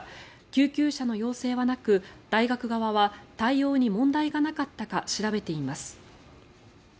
救急車の要請はなく大学側は対応に問題がなかったか調べています。